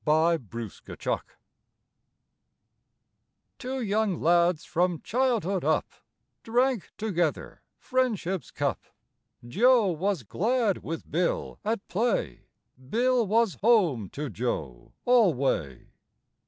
THE TIME OF TRUCE Two young lads from childhood up Drank together friendship's cup: Joe was glad with Bill at play, Bill was home to Joe alway.